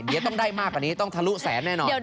เดี๋ยวต้องได้มากกว่านี้ต้องทะลุแสนแน่นอน